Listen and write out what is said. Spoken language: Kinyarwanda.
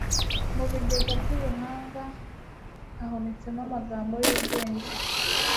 mu bigega by'ubuhanga, hahunitsemo amagambo y'ubwenge